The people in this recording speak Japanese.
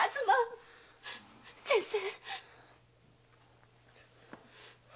先生！